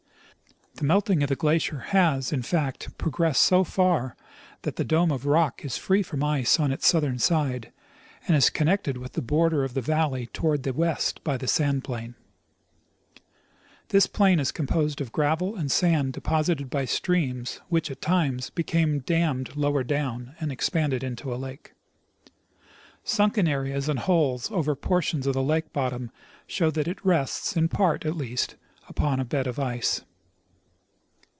The melting of the glacier has, in fact, progressed so far that the dome of rock is free from ice on its southern side, and is connected with the border of the valley toward the west by the sand plain. This plain is composed of gravel and sand deposited by streams which at times became dammed lower down and expanded into a lake. Sunken areas and holes over portions of the lake bottom show that it rests, in j)art at least, upon a bed of ice.